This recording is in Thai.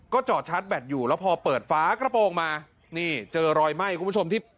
จอดชาร์จแบตอยู่แล้วพอเปิดฝากระโปรงมานี่เจอรอยไหม้คุณผู้ชมที่